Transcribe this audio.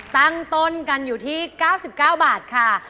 ตั้งต้นกันอยู่ที่๙๙บาทค่ะ